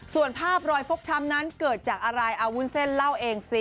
ส่วนภาพรอยฟกช้ำนั้นเกิดจากอะไรเอาวุ้นเส้นเล่าเองสิ